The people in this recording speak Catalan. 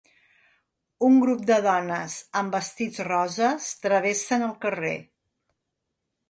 Un grup de dones amb vestits roses travessen el carrer.